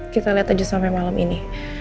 kita liat aja sampe malam ini